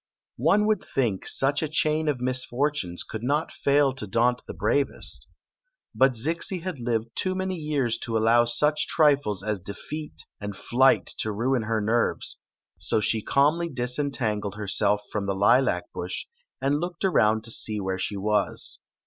One would think such a chain of misfortunes could not fail to daunt the bravest. But Zixi had lived too many years to allow such trifles as defeat and flight to ruin her nerves ; so she calmly disentangled her self from the lilac bush and looked around to see where she was.